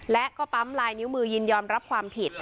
และก็ปั๊มลายนิ้วมือยินยอมรับความผิด